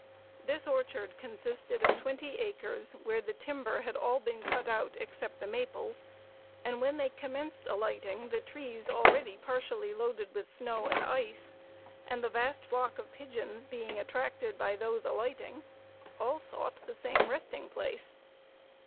This orchard consisted of twenty acres, where the timber had all been cut out, except the maples, and when they commenced alighting, the trees already partially loaded with snow and ice, and the vast flock of pigeons being attracted by those alighting, all sought the same resting place.